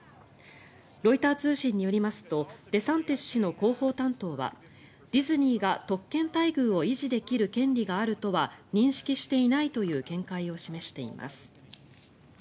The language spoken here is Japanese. ロイター通信によりますとデサンティス氏の広報担当はディズニーが特権待遇を維持できる権利があるとは認識していないという見解を示しています。